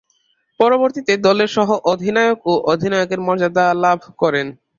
পরবর্তীতে দলের সহঃ অধিনায়ক ও অধিনায়কের মর্যাদা লাভ করেন।